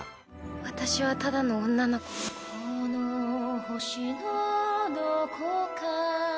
「私はただの女の子」「この星のどこか」